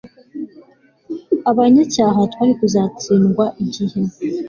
abanyacyaha twari kuzatsindwa igihe